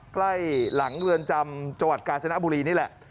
ใกล้หลังเรือนจำจังหวัดกาญจนบุรีนี่แหละ